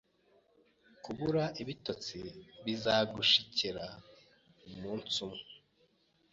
Kubura ibitotsi bizagushikira umunsi umwe.